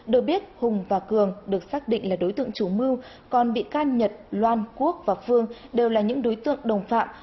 được biết hùng và cường được xác định là đối tượng chủ mưu còn bị can nhật loan quốc và phương đều là những đối tượng đồng phạm